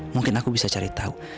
mungkin aku bisa cari tahu